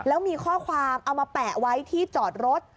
แล้วมีข้อความเอามาแปะไว้ที่จอดรถ